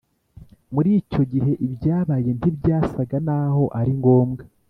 muri icyo gihe, ibyabaye ntibyasaga naho ari ngombwa.